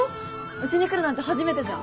うちに来るなんて初めてじゃん。